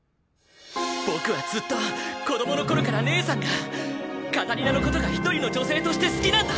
僕はずっと子どもの頃から義姉さんがカタリナのことが一人の女性として好きなんだ！